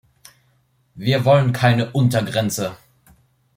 Wir wollen keine Untergrenze.